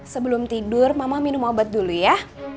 sebelum tidur mama minum obat dulu ya